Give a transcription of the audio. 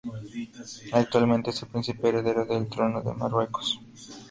Actualmente, es el príncipe heredero al trono de Marruecos.